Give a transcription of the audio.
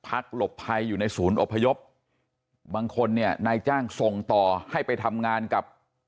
หลบภัยอยู่ในศูนย์อพยพบางคนเนี่ยนายจ้างส่งต่อให้ไปทำงานกับ